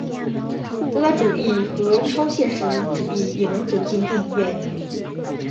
达达主义和超现实主义也能走进电影院。